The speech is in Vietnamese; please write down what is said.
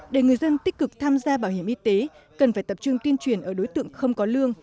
để người dân tích cực tham gia bảo hiểm y tế cần phải tập trung tuyên truyền ở đối tượng không có lương